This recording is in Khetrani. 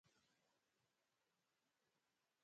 کُکڑیں نہیں وکݨدا